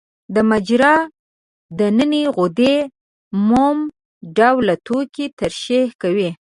د مجرا د نني غدې موم ډوله توکي ترشح کوي.